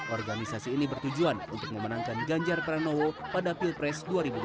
organisasi ini bertujuan untuk memenangkan ganjar pranowo pada pilpres dua ribu dua puluh